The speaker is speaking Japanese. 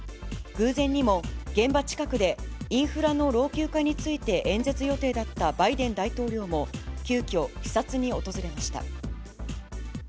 偶然にも現場近くでインフラの老朽化について演説予定だったバイデン大統領も、急きょ、視察に訪れました。